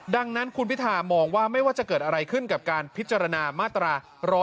ดังนั้นคุณพิธามองว่าไม่ว่าจะเกิดอะไรขึ้นกับการพิจารณามาตรา๑๑